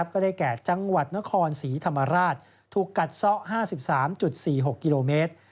ก็ได้แก่จังหวัดนครศรีธรรมราชถูกกัดซ่อ๕๓๔๖กิโลเมตร